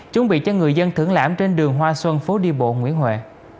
chuẩn bị cho người dân thưởng lãm trên đường hoa xuân phố đi bộ nguyễn huệ